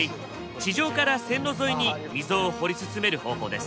地上から線路沿いに溝を掘り進める方法です。